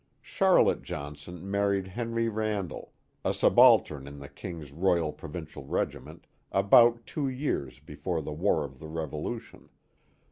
Charlotte Johnson married Henry Randall, a subaltern in the King '^ Royal Provincial Regiment, about two years before the war of the Revolution.